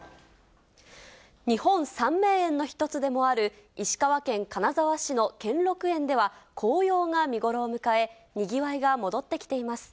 日本三名園の一つでもある石川県金沢市の兼六園では、紅葉が見頃を迎え、にぎわいが戻ってきています。